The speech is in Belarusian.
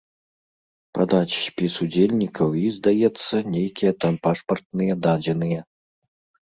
Падаць спіс удзельнікаў і, здаецца, нейкія там пашпартныя дадзеныя.